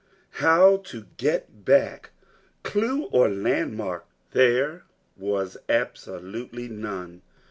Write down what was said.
How to get back! Clue or landmark there was absolutely none!